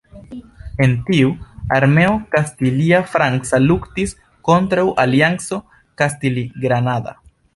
En tiu, armeo kastilia-franca luktis kontraŭ alianco kastili-granada.